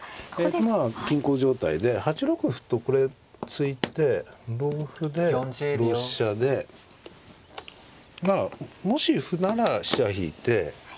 今均衡状態で８六歩とこれ突いて同歩で同飛車でまあもし歩なら飛車引いて。